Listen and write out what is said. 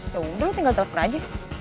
yaudah lo tinggal telepon aja